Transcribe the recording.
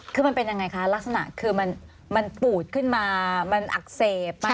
คือมันเป็นยังไงคะลักษณะคือมันปูดขึ้นมามันอักเสบ